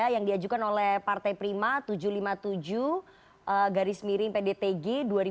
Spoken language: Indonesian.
yang diajukan oleh partai prima tujuh ratus lima puluh tujuh pdtg